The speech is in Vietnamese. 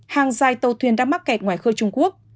hàng dài tàu thuyền đã mắc kẹt ngoài khơi trung quốc